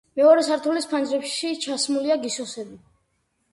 მეორე სართულის ფანჯრებში ჩასმულია გისოსები.